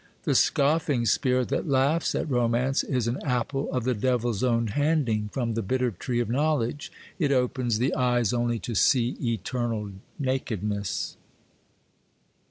The scoffing spirit that laughs at romance, is an apple of the Devil's own handing from the bitter tree of knowledge;—it opens the eyes only to see eternal nakedness.